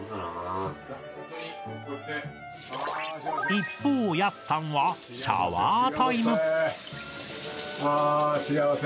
一方やすさんはシャワータイムあ幸せ。